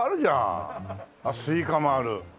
あっスイカもある。